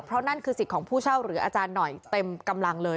เพราะนั่นคือสิทธิ์ของผู้เช่าหรืออาจารย์หน่อยเต็มกำลังเลย